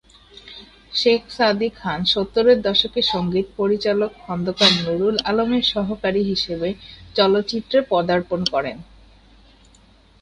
শেখ সাদী খান সত্তরের দশকে সঙ্গীত পরিচালক খন্দকার নুরুল আলমের সহকারী হিসেবে চলচ্চিত্রে পদার্পণ করেন।